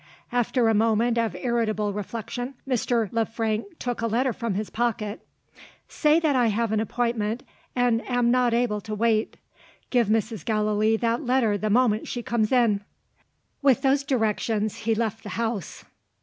After a moment of irritable reflection, Mr. Le Frank took a letter from his pocket. "Say that I have an appointment, and am not able to wait. Give Mrs. Gallilee that letter the moment she comes in." With those directions he left the house.